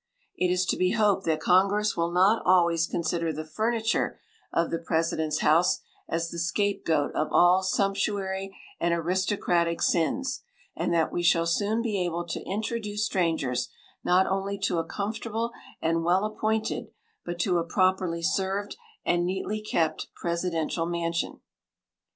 It is to be hoped that Congress will not always consider the furniture of the President's House as the scape goat of all sumptuary and aristocratic sins, and that we shall soon be able to introduce strangers, not only to a comfortable and well appointed, but to a properly served and neatly kept, presidential mansion.